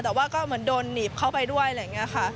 แต่ว่าก็เหมือนโดนหนีบเข้าไปด้วยอะไรอย่างนี้ค่ะ